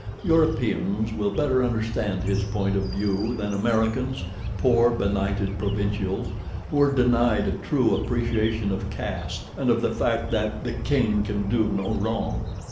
Europeans will better understand his point of view than Americans, poor, benighted provincials, who are denied a true appreciation of caste and of the fact that "the king can do no wrong."